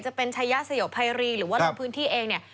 จะเป็นชายะสยบภัยรีหรือว่าลงพื้นที่เองเนี่ย